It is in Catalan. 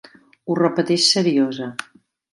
Ho repeteix seriosa.